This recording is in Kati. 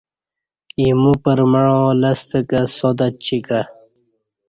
ایمو پرمعاں لستہ کہ ساتچی کہ